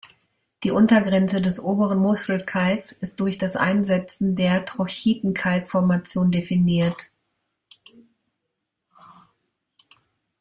Die Untergrenze des Oberen Muschelkalks ist durch das Einsetzen der Trochitenkalk-Formation definiert.